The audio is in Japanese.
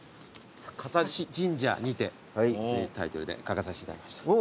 『香指神社にて』というタイトルで描かさせていただきました。